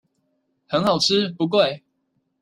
很好吃不貴